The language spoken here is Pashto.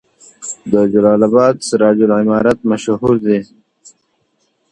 د جلال اباد سراج العمارت مشهور دی